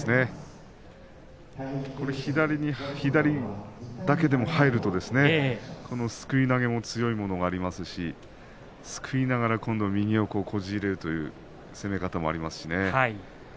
左だけでも入るとすくい投げも強いものがありますしすくいながら今度は右をこじ入れるという攻め方もありますしね。